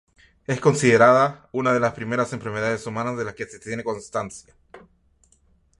Es considerada una de las primeras enfermedades humanas de las que se tiene constancia.